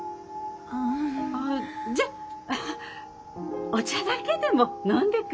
あじゃあお茶だけでも飲んでく？